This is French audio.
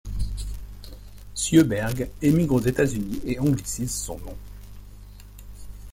Sjöberg émigre aux États-Unis et anglicise son nom.